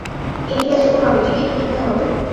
India যেতে হবে, ticket কিনতে হবে!